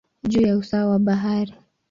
juu ya usawa wa bahari.